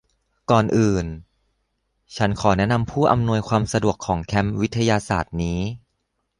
ก่อนอื่น ฉันขอแนะนำผู้อำนวยความสะดวกของแคมป์วิทยาศาสตร์นี้